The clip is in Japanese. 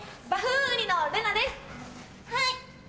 はい！